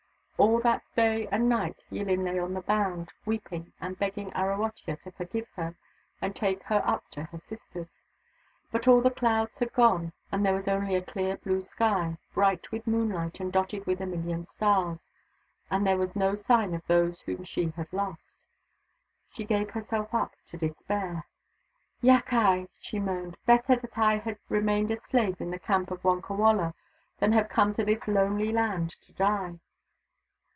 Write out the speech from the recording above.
All that day and night Yillin lay on the mound, weeping, and begging Arawotya to forgive her and take her up to her sisters. But all the clouds had gone, and there was only a clear blue sky, bright with moonlight and dotted with a million stars : and there was no sign of those whom she had lost. She gave herself up to despair. " Yakai \" she moaned. " Better that I had remained a slave in the camp of Wonkawala than have come to this lonely land to die